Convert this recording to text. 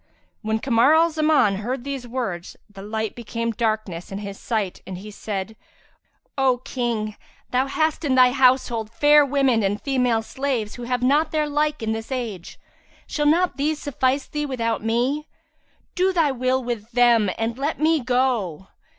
"[FN#338] When Kamar al Zaman heard these words, the light became darkness in his sight and he said, "O King, thou hast in thy household fair women and female slaves, who have not their like in this age: shall not these suffice thee without me? Do thy will with them and let me go!"